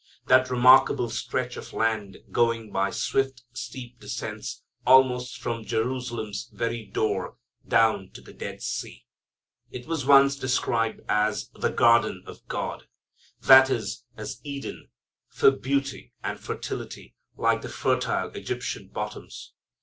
That remarkable stretch of land going by swift, steep descents almost from Jerusalem's very door down to the Dead Sea. It was once described as "the garden of God," that is, as Eden, for beauty and fertility, like the fertile Egyptian bottoms.